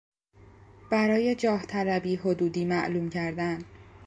برای جاه طلبی حدودی معلوم کردن